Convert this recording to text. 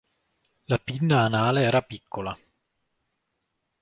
La pinna anale era piccola.